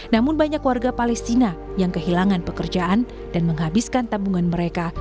namun banyak warga palestina yang kehilangan pekerjaan dan menghabiskan tabungan mereka